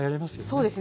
そうですね。